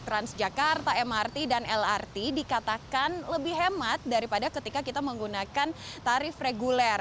transjakarta mrt dan lrt dikatakan lebih hemat daripada ketika kita menggunakan tarif reguler